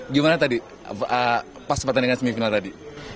gimana tadi pas sempat tandingan semifinal tadi